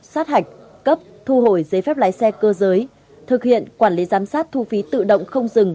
sát hạch cấp thu hồi giấy phép lái xe cơ giới thực hiện quản lý giám sát thu phí tự động không dừng